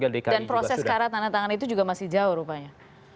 dan proses karat tanda tangan itu juga masih jauh rupanya